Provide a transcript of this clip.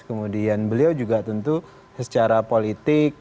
kemudian beliau juga tentu secara politik